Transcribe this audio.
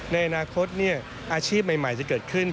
ในอนาคตอาชีพใหม่จะเกิดขึ้น